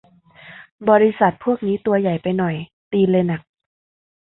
บริษัทพวกนี้ตัวใหญ่ไปหน่อย ตีนเลยหนัก